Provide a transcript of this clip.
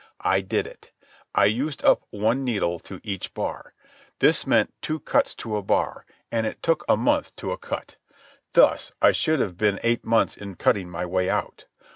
I did it. I used up one needle to each bar. This meant two cuts to a bar, and it took a month to a cut. Thus I should have been eight months in cutting my way out.